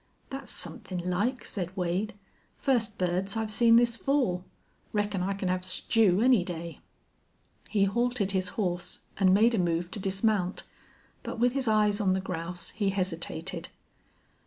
"That's somethin' like," said Wade. "First birds I've seen this fall. Reckon I can have stew any day." He halted his horse and made a move to dismount, but with his eyes on the grouse he hesitated.